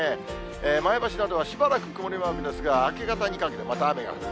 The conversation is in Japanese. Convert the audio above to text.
前橋などはしばらく曇りマークですが、明け方にかけてまた雨が降る。